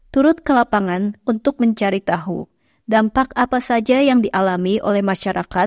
turut ke lapangan untuk mencari tahu dampak apa saja yang dialami oleh masyarakat